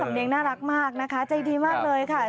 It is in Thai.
สำเนงน่ารักมากใจดีมากเลยค่ะ